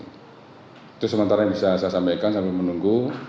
itu sementara yang bisa saya sampaikan sambil menunggu